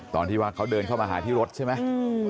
ตอนที่ว่าเขาเดินเข้ามาหาที่รถใช่ไหม